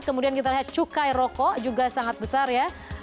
kemudian kita lihat cukai rokok juga sangat besar ya